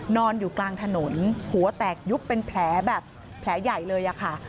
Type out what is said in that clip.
นอนอยู่กลางถนนหัวแตกยุบเป็นแผลแบบแผลใหญ่เลยค่ะ